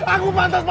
aku pantas mati